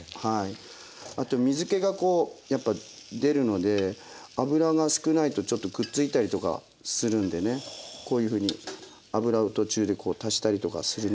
あと水けがこうやっぱ出るので油が少ないとちょっとくっついたりとかするんでねこういうふうに油を途中で足したりとかするのもいいんじゃないかなと思います。